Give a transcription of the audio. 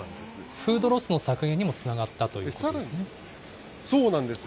フードロスの削減にもつながったということですね。